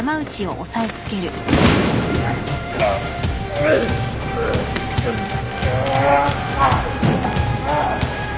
うっ。